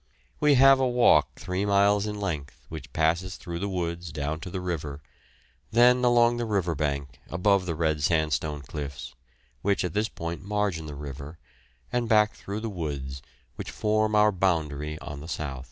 We have a walk three miles in length which passes through the woods down to the river, then along the river bank above the red sandstone cliffs, which at this point margin the river, and back through the woods, which form our boundary on the south.